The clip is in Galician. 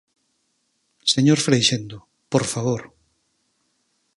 Señor Freixendo, por favor.